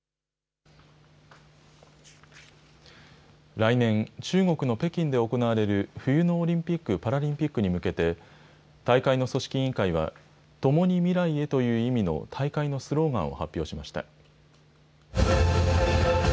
来年、中国の北京で行われる冬のオリンピック・パラリンピックに向けて、大会の組織委員会は、ともに未来へという意味の大会のスローガンを発表しました。